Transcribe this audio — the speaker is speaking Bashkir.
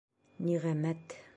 Ниғәмәт.